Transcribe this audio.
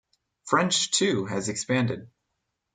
French too has expanded.